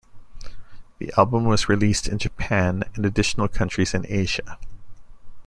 The album was released in Japan and additional countries in Asia.